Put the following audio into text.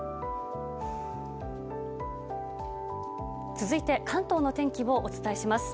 続いて関東の天気をお伝えします。